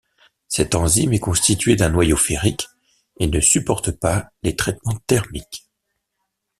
Cette enzyme est constituée d'un noyau ferrique et ne supporte pas les traitements thermiques.